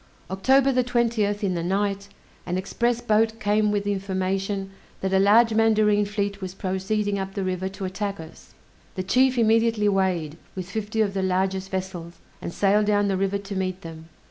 October the 20th, in the night, an express boat came with the information that a large mandarine fleet was proceeding up the river to attack us. The chief immediately weighed, with fifty of the largest vessels, and sailed down the river to meet them.